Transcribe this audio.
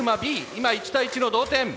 今１対１の同点。